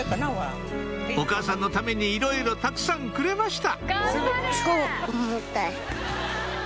お母さんのためにいろいろたくさんくれました